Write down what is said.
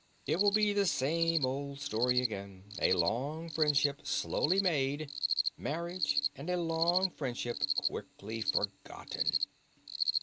It will be the same old story again: a long friendship slowly made—marriage—and a long friendship quickly forgotten."